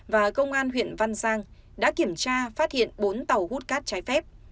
và công an huyện văn giang đã kiểm tra phát hiện bốn tàu hút cát trái phép